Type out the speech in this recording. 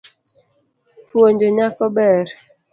Puonjo nyako ber.